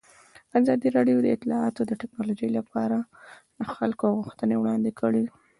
ازادي راډیو د اطلاعاتی تکنالوژي لپاره د خلکو غوښتنې وړاندې کړي.